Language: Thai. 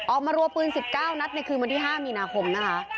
รัวปืน๑๙นัดในคืนวันที่๕มีนาคมนะคะ